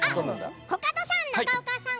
コカドさん、中岡さん